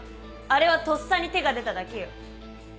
あれはとっさに手が出ただけよ。